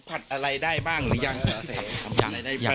อะไรได้บ้างหรือยังไม่น้องก็เลี้ยวใช่ไหม